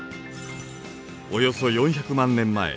およそ４００万年前。